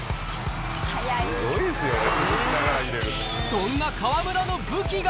そんな河村の武器が。